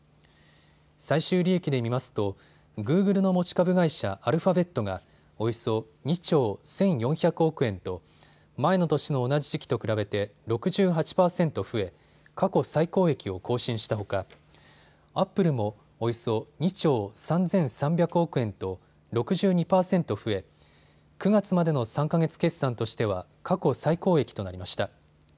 最終利益で見ますとグーグルの持ち株会社、アルファベットがおよそ２兆１４００億円と前の年の同じ時期と比べて６８％増え過去最高益を更新したほかアップルもおよそ２兆３３００億円と６２％増え、９月までの３か月決算としては過去最高益となりました。